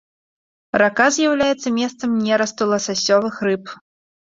Рака з'яўляецца месцам нерасту ласасёвых рыб.